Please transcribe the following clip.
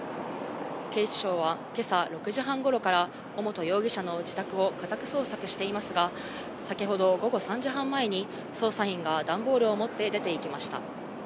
警視庁はけさ６時半ごろから、尾本容疑者の自宅を家宅捜索していますが、先ほど午後３時半前に、捜査員が段ボールを持って出ていきました。